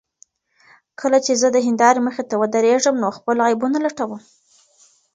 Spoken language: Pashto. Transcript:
کله چې زه د هندارې مخې ته درېږم نو خپل عیبونه لټوم.